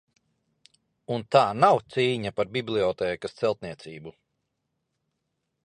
Un tā nav cīņa pret bibliotēkas celtniecību!